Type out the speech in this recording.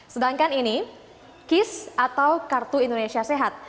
sedangkan ini kis atau kartu indonesia sehat